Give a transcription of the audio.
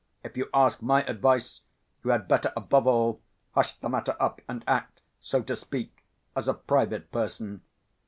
"If you ask my advice, you had better, above all, hush the matter up and act, so to speak, as a private person.